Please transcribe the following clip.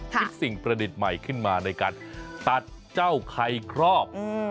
สิ่งประดิษฐ์ใหม่ขึ้นมาในการตัดเจ้าไข่ครอบ